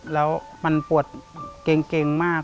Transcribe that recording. แล้วมันปวดเก่งมาก